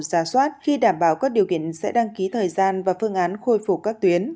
giả soát khi đảm bảo các điều kiện sẽ đăng ký thời gian và phương án khôi phục các tuyến